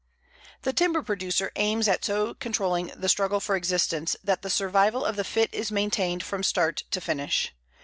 The timber producer aims at so controlling the struggle for existence that the survival of the fit is maintained from start to finish.